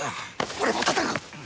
俺も戦う！